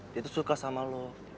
dia tuh suka sama lo